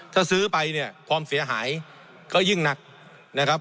ถ้าซื้อไปเนี่ยความเสียหายก็ยิ่งหนักนะครับ